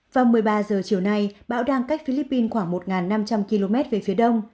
vào một mươi ba h chiều nay bão đang cách philippines khoảng một năm trăm linh km về phía đông